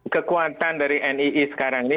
kekuatan dari nii sekarang ini